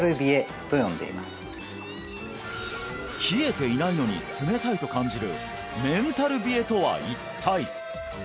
冷えていないのに冷たいと感じるメンタル冷えとは一体！？